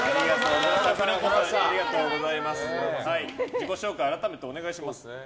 自己紹介を改めてお願いします。